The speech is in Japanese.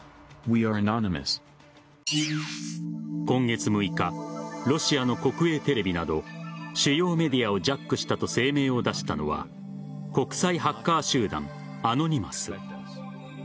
今月６日ロシアの国営テレビなど主要メディアをジャックしたと声明を出したのは国際ハッカー集団・アノニマス。